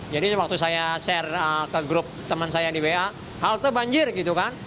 jadi waktu saya share ke grup teman saya di wa hal itu banjir gitu kan